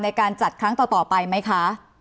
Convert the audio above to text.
ในการจัดครั้งต่อไปไหมคะ